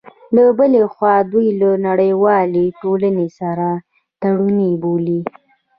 له بلې خوا، دوی له نړیوالې ټولنې سره تړوني بولي